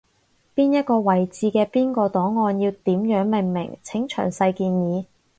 邊一個位置嘅邊個檔案要點樣命名，請詳細建議